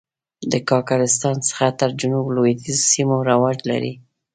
د کاکړستان څخه تر جنوب لوېدیځو سیمو رواج لري.